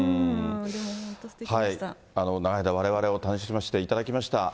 本当、長い間、われわれも楽しませていただきました。